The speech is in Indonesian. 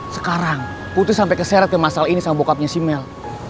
sekarang putri sampe keseret ke masalah ini sama bokapnya si mel